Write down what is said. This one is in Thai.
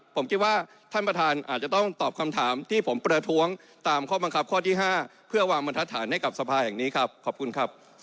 ผมคิดว่าท่านประธานอาจจะต้องตอบคำถามที่ผมประท้วงตามข้อบังคับข้อที่๕เพื่อวางบรรทัศนให้กับสภาแห่งนี้ครับขอบคุณครับ